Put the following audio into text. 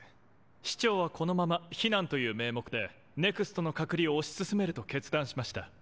市長はこのまま避難という名目でＮＥＸＴの隔離を推し進めると決断しました。